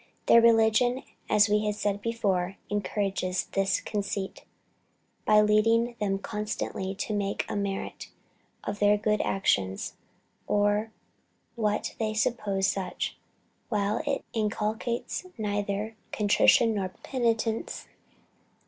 Their very religion, as we have before said, encourages this conceit, by leading them constantly to make "a merit" of their good actions, or what they suppose such; while it inculcates neither contrition nor penitence.